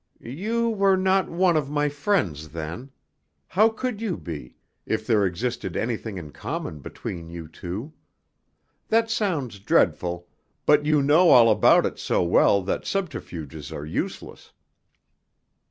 "You were not one of my friends then; how could you be, if there existed anything in common between you two? That sounds dreadful, but you know all about it so well that subterfuges are useless."